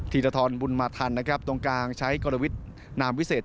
ธีรธรบุญมาธรรมตรงกลางใช้กลวิทย์นามวิเศษ